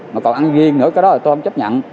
mà còn ăn riêng nữa cái đó là tôi không chấp nhận